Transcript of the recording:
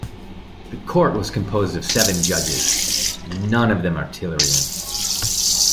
The court was composed of seven judges, none of them an artilleryman.